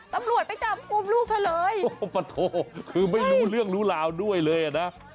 ตำรวจไปจับกลุ่มลูกเธอเลยโอ้ปะโถคือไม่รู้เรื่องรู้ราวด้วยเลยอ่ะนะ